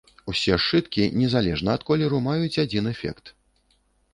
Усе сшыткі, незалежна ад колеру, маюць адзін эфект.